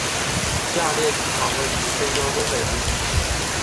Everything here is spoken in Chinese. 下列机场位于非洲东北部地区。